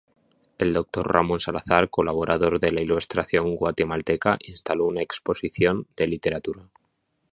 El doctor Ramón Salazar, colaborador de "La Ilustración Guatemalteca" instaló una exposición de Literatura.